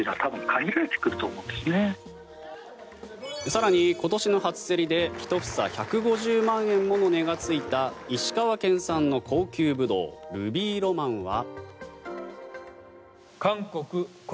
更に、今年の初競りで１房１５０万円もの値がついた石川県産の高級ブドウルビーロマンは。